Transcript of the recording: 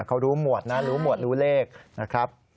เขารู้หมวดนะรู้หมวดรู้เลข